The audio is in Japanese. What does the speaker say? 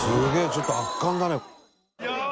ちょっと圧巻だね。